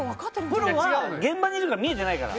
プロは現場にいるから見えてないから。